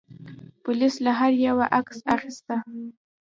پولیس له هر یوه عکس اخیسته.